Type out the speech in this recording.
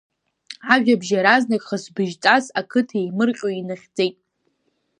Ажәабжь иаразнак, хысбыжьҵас, Ақыҭа еимырҟьо инахьӡеит.